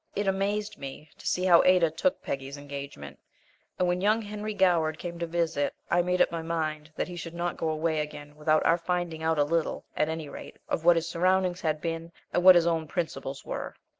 It amazed me to see how Ada took Peggy's engagement, and when young Henry Goward came to visit, I made up my mind that he should not go away again without our finding out a little, at any rate, of what his surroundings had been, and what his own principles were.